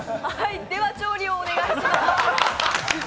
では、調理をお願いします。